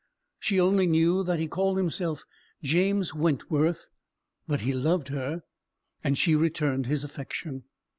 She only knew that he called himself James Wentworth; but he loved her, and she returned his affection.